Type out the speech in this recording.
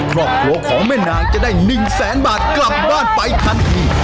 ครอบครัวของแม่นางจะได้๑แสนบาทกลับบ้านไปทันที